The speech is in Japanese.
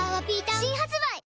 新発売